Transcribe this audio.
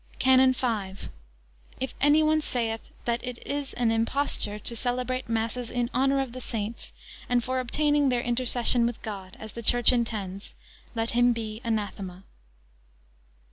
CANON V. If any one saith, that it is an imposture to celebrate masses in honour of the saints, and for obtaining their intercession with God, as the Church intends; let him be anathema.